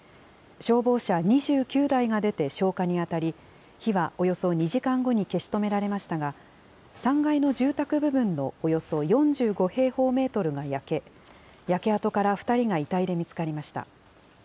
消防車２９台が出て消火に当たり、火はおよそ２時間後に消し止められましたが、３階の住宅部分のおよそ４５平方メートルが焼け、焼け跡から２人が遺体で見つかりました。